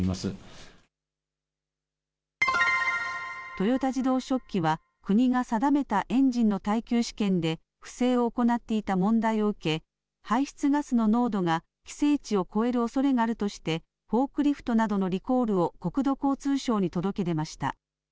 豊田自動織機は国が定めたエンジンの耐久試験で不正を行っていた問題を受け、排出ガスの濃度が規制値を超えるおそれがあるとして、フォークリフトなどのリコールを国土交通省に届け出ました。